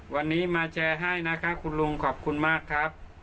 วันนี้มาแชร์ให้นะคะคุณลุงขอบคุณมากครับ